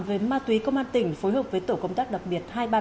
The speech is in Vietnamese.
với ma túy công an tỉnh phối hợp với tổ công tác đặc biệt hai trăm ba mươi tám